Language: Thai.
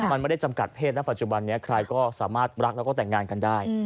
มันไม่ได้จำกัดเพศนะปัจจุบันนี้ใครก็สามารถรักแล้วก็แต่งงานกันได้